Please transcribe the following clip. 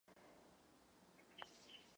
Na vyjednávání je potřeba mít také dostatek času.